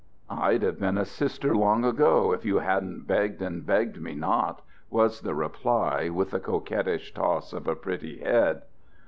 "I'd have been a Sister long ago if you hadn't begged and begged me not," was the reply, with the coquettish toss of a pretty head.